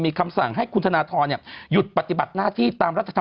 มีคำสั่งให้คุณธนาทร